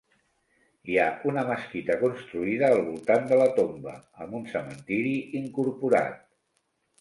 Hi ha una mesquita construïda al voltant de la tomba, amb un cementiri incorporat.